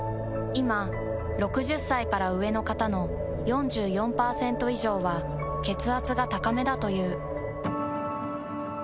いま６０歳から上の方の４４％以上は血圧が高めだという。